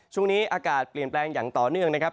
ช่วงนี้อากาศเปลี่ยนแปลงอย่างต่อเนื่องนะครับ